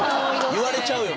言われちゃうよ